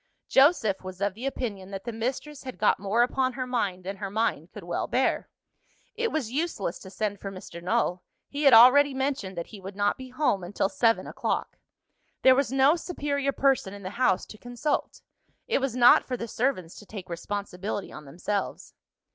Joseph was of the opinion that the mistress had got more upon her mind than her mind could well bear. It was useless to send for Mr. Null; he had already mentioned that he would not be home until seven o'clock.. There was no superior person in the house to consult. It was not for the servants to take responsibility on themselves.